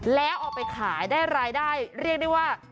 แล้วเอาไปขายได้รายได้เรียกได้ว่า